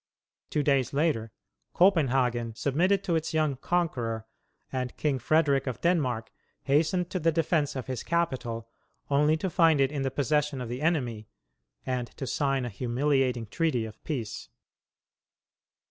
Two days later, Copenhagen submitted to its young conqueror, and King Frederick of Denmark hastened to the defence of his capital, only to find it in the possession of the enemy, and to sign a humiliating treaty of peace.